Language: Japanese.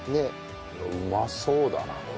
うまそうだなこれ。